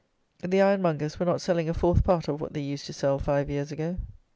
The ironmongers were not selling a fourth part of what they used to sell five years ago.